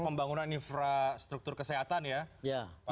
ada pembangunan infrastruktur kesehatan ya pak bupati